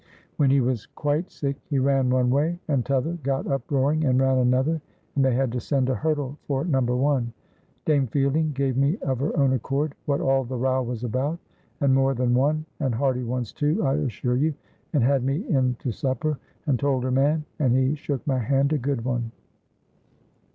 When he was quite sick he ran one way, and t'other got up roaring and ran another, and they had to send a hurdle for No. 1. Dame Fielding gave me of her own accord what all the row was about, and more than one, and hearty ones, too, I assure you, and had me in to supper, and told her man, and he shook my hand a good one."